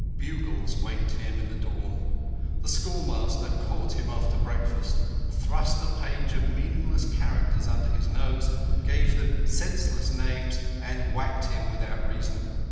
Bugles waked him in the dawn; the schoolmaster caught him after breakfast, thrust a page of meaningless characters under his nose, gave them senseless names and whacked him without reason.